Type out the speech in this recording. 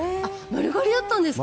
丸刈りだったんですか？